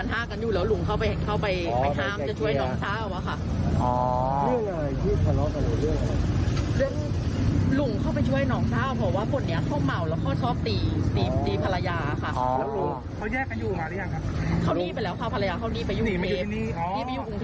แล้วคนเขาตามมาและหลายครั้งแล้ว